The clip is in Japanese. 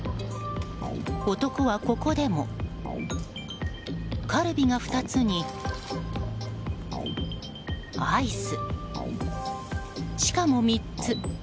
男はここでもカルビが２つに、アイスしかも、３つ。